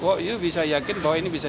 kok itu bisa yakin doi ini bisa